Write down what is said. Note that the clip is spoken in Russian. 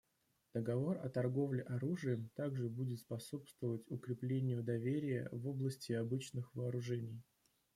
Договор о торговле оружием также будет способствовать укреплению доверия в области обычных вооружений.